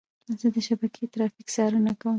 زه د شبکې ترافیک څارنه کوم.